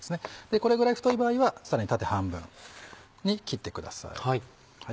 これぐらい太い場合はさらに縦半分に切ってください。